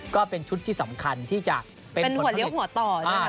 ก็เป็นชุดที่สำคัญที่จะเป็นผลขนาดเด็ก